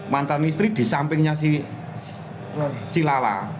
mantan istri di sampingnya si lala